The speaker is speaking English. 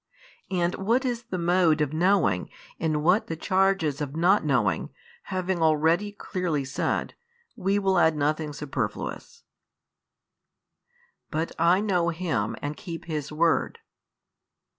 And what is the mode of knowing and what the charges of not knowing, having already clearly said, we will add nothing superfluous. But I know Him and keep His Word.